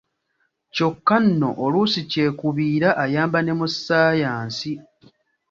Kyokka nno oluusi kyekubiira ayamba ne mu ssaayansi!